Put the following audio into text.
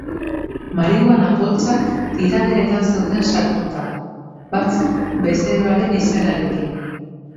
Marihuana poltsak tiraderetan zeuden sartuta, batzuk bezeroaren izenarekin.